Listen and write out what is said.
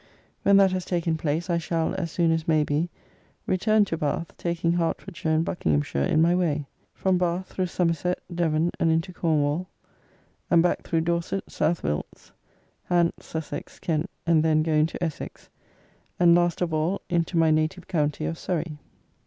When that has taken place, I shall, as soon as may be, return to Bath, taking Hertfordshire and Buckinghamshire in my way; from Bath, through Somerset, Devon, and into Cornwall; and back through Dorset, South Wilts, Hants, Sussex, Kent, and then go into Essex, and, last of all, into my native county of Surrey.